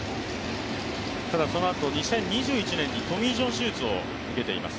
そのあと２０２１年にトミー・ジョン手術を受けています。